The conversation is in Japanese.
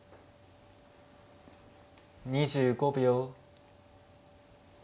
２５秒。